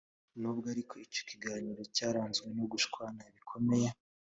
nubwo ariko icyo kiganiro cyaranzwe no gushwana bikomeye,